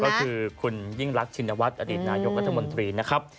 ก็คือคุณยิ่งรักชินวัฒน์อดีตนายกรัฐมนตรีนะครับ